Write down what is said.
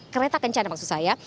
kereta kencan maksud saya